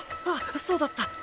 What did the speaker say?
ああそうだった。